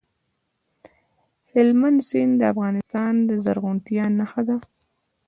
هلمند سیند د افغانستان د زرغونتیا نښه ده.